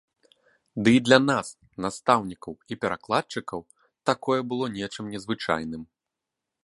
Ды й для нас, настаўнікаў і перакладчыкаў, такое было нечым незвычайным.